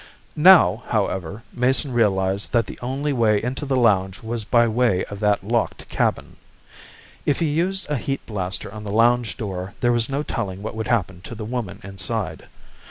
Now, however, Mason realized that the only way into the lounge was by way of that locked cabin. If he used a heat blaster on the lounge door there was no telling what would happen to the woman inside.